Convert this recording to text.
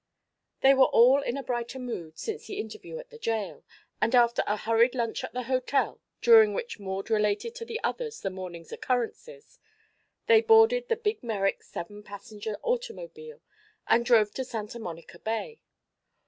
They were all in a brighter mood since the interview at the jail, and after a hurried lunch at the hotel, during which Maud related to the others the morning's occurrences, they boarded the big Merrick seven passenger automobile and drove to Santa Monica Bay.